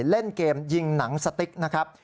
เล่นเกมยิงหนังสติ๊กนะครับ